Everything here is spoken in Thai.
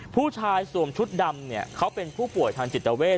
ผู้ชายสวมชุดดำเขาเป็นผู้ป่วยทางจิตเวท